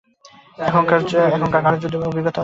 এখানকার কারো যুদ্ধের অভিজ্ঞতা আছে?